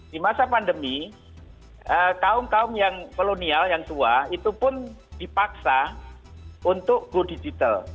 di masa pandemi kaum kaum yang kolonial yang tua itu pun dipaksa untuk go digital